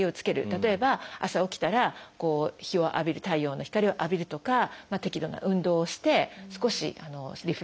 例えば朝起きたら日を浴びる太陽の光を浴びるとか適度な運動をして少しリフレッシュする。